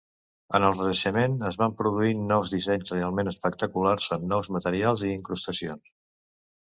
En el Renaixement es van produir nous dissenys realment espectaculars amb nous materials i incrustacions.